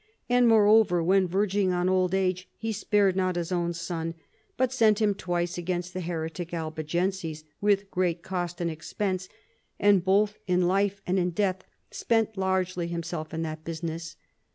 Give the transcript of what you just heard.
And moreover when verging on old age he spared not his own son, but sent him twice against the heretic Albigenses with great cost and expense, and both in life and in death spent largely himself in that business.